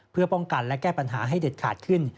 เพื่อป้องกันและแก้ปัญหาให้เด็ดขาดขึ้น